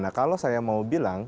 nah kalau saya mau bilang